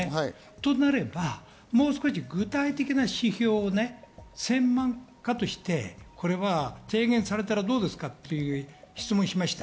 となれば、もう少し具体的な指標を専門家として、提言されたらどうですか？という質問をしました。